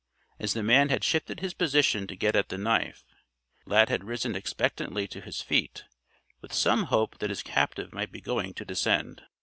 As the man had shifted his position to get at the knife, Lad had risen expectantly to his feet with some hope that his captive might be going to descend.